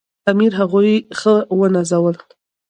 امیر هغوی ښه ونازول.